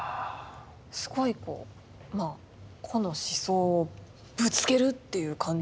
すごいこう個の思想をぶつけるっていう感じの作品ですね。